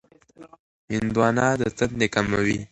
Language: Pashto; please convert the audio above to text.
هندواڼه د تندې کموي.